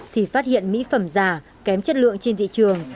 thì phát hiện mỹ phẩm giả kém chất lượng trên thị trường